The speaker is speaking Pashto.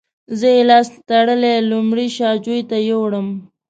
زه یې لاس تړلی لومړی شا جوی ته یووړم.